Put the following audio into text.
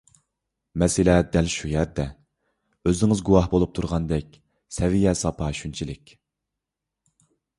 مەسىلە دەل شۇ يەردە. ئۆزىڭىز گۇۋاھ بولۇپ تۇرغاندەك سەۋىيە - ساپا شۇنچىلىك.